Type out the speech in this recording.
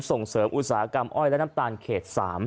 ส่งเสริมอุตสาหกรรมอ้อยและน้ำตาลเขต๓